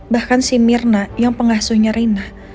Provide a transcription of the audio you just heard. bahkan si mirna yang pengasuhnya rina